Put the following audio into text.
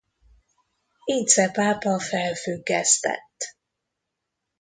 Ince pápa felfüggesztett.